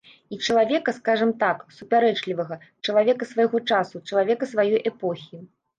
І чалавека, скажам так, супярэчлівага, чалавека свайго часу, чалавека сваёй эпохі.